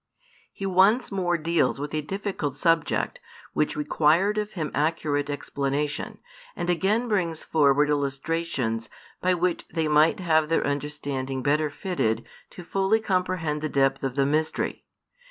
He once more deals with a difficult subject which required of Him accurate explanation, and again brings forward illustrations by which they might have their understanding better fitted to fully comprehend the depth of the mystery.